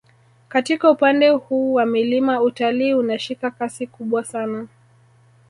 Katika upande huu wa milima utalii unashika kasi kubwa sana